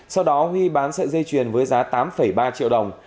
sau đó huy bán sợi dây chuyền với giá tám ba triệu đồng